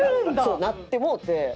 なってもうて。